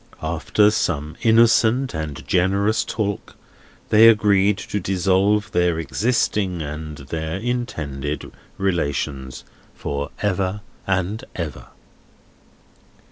After some innocent and generous talk, they agreed to dissolve their existing, and their intended, relations, for ever and ever."